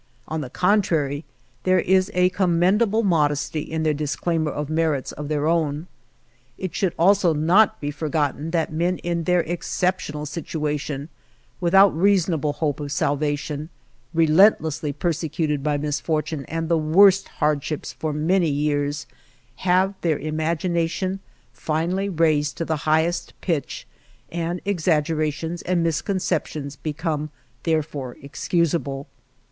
On the contrary, there is a commendable modesty in their dis claimer of merits of their own. It should also not be forgotten that men in their ex ceptional situation, without reasonable hope of salvation, relentlessly persecuted by mis fortune and the worst hardships for many years, have their imagination finally raised to the higest pitch, and exaggerations and misconceptions become therefore excusable.